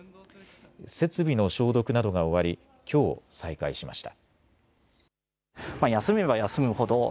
設備の消毒などが終わりきょう再開しました。